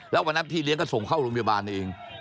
แล้ววันนั้นพี่เลี้ยงก็ส่งเข้าโรงพยาบาลเอง